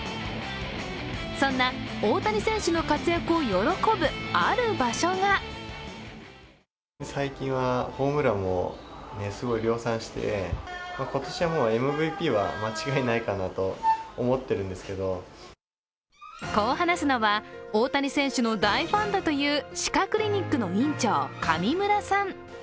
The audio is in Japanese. そんな大谷選手を喜ぶ、ある場所がこう話すのは大谷選手の大ファンだという歯科クリニックの院長、上村さん。